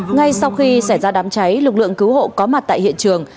ngay sau khi xảy ra đám cháy lực lượng cứu hộ có mặt tại hiện trường